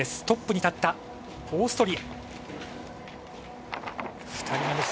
トップに立ったオーストリア。